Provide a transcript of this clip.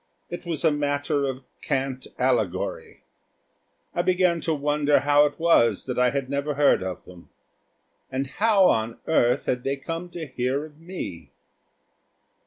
It was a matter of cant allegory. I began to wonder how it was that I had never heard of them. And how on earth had they come to hear of me!